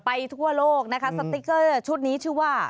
ทั่วโลกนะคะสติ๊กเกอร์ชุดนี้ชื่อว่า